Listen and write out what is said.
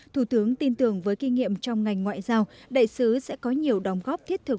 thủ tướng tin tưởng với kinh nghiệm trong ngành ngoại giao đại sứ sẽ có nhiều đóng góp thiết thực